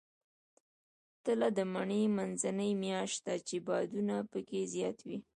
تله د مني منځنۍ میاشت ده، چې بادونه پکې زیات وي.